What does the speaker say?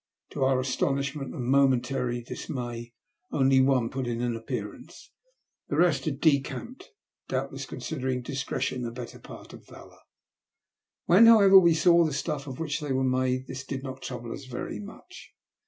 To our astonishment and momentary dismay only one put in an appearance. The rest bad decamped, doubtless considering discretion the better part of valour. When, however, we saw the stuff of which they were made this did not trouble as very much.